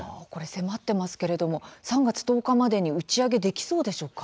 迫ってますけれども３月１０日までに打ち上げできそうでしょうか？